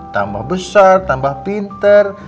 tambah besar tambah pintar